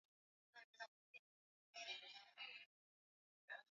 mitandao ya raia wanasayansi kuripoti kuhusu ubora wa hewa na